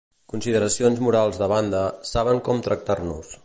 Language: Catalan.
Consideracions morals de banda, saben com tractar-nos.